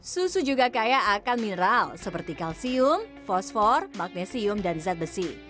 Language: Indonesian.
susu juga kaya akan mineral seperti kalsium fosfor magnesium dan zat besi